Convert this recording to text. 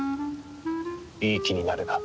いい気になるな。